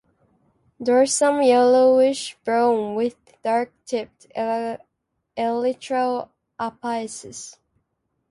Dorsum yellowish brown with dark tipped elytral apices.